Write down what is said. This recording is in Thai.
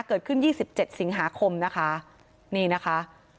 เกิดขึ้นยี่สิบเจ็ดสิงหาคมนะคะนี่นะคะ